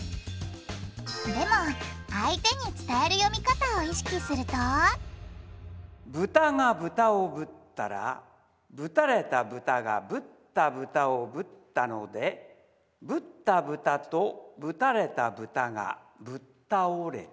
でも相手に伝える読み方を意識するとブタがブタをぶったらぶたれたブタがぶったブタをぶったのでぶったブタとぶたれたブタがぶったおれた。